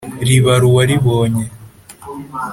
Ribara uwaribonye.